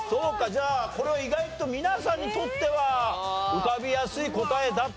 じゃあこれは意外と皆さんにとっては浮かびやすい答えだったのかな？